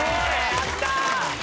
やったー！